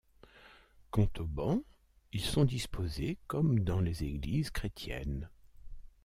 Quant aux bancs, ils sont disposés comme dans les églises chrétiennes.